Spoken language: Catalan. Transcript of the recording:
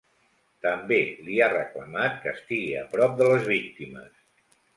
També li ha reclamat que estigui a prop de les víctimes.